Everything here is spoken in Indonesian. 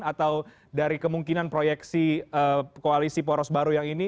atau dari kemungkinan proyeksi koalisi poros baru yang ini